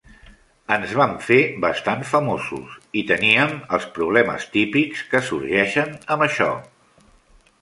Ens vam fer bastant famosos i teníem els problemes típics que sorgeixen amb això.